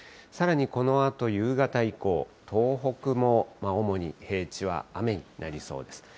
さらにこのあと、夕方以降、東北も主に平地は雨になりそうです。